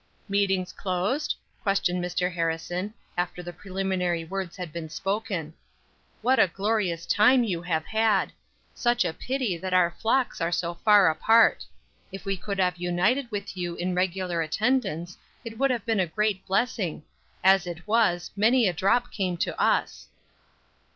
"Meetings closed?" questioned Mr. Harrison, after the preliminary words had been spoken. "What a glorious time you have had! Such a pity that our flocks are so far apart! If we could have united with you in regular attendance, it would have been a great blessing; as it was, many a drop came to us."